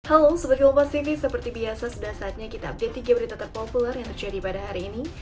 halo sebagai umat sini seperti biasa sudah saatnya kita update tiga berita terpopuler yang terjadi pada hari ini